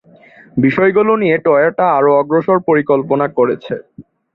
বিষয়গুলো নিয়ে টয়োটা আরো অগ্রসর পরিকল্পনা করেছে।